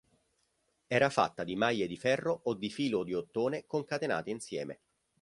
Era fatta di maglie di ferro o di filo di ottone concatenate insieme.